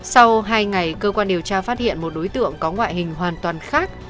sau hai ngày cơ quan điều tra phát hiện một đối tượng có ngoại hình hoàn toàn khác